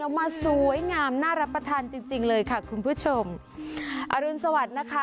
มาสวยงามน่ารับประทานจริงจริงเลยค่ะคุณผู้ชมอรุณสวัสดิ์นะคะ